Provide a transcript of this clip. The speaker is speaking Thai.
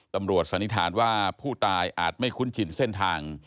สันนิษฐานว่าผู้ตายอาจไม่คุ้นชินเส้นทาง